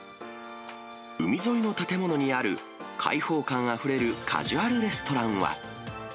海沿いの建物にある開放感あふれるカジュアルレストランは。